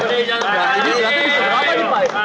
nah ini sudah terlalu cepat